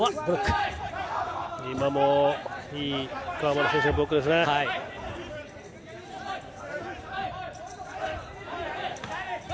今もいい川村選手のブロックでした。